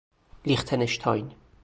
لیختناشتاین